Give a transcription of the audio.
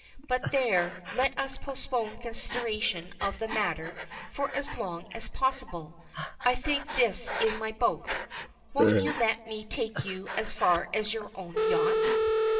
But, there, let us postpone consideration of the matter for as long as possible. I think this is my boat. Won't you let me take you as far as your own yacht?"